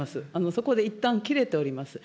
そこでいったん切れております。